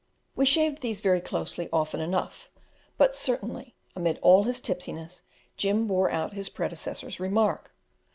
We shaved these very closely often enough, but certainly, amid all his tipsiness, Jim bore out his predecessors remark.